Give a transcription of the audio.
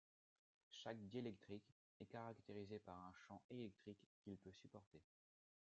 Chaque diélectrique est caractérisé par un champ électrique qu’il peut supporter.